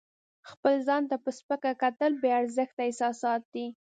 خپل ځان ته په سپکه کتل بې ارزښته احساسات دي.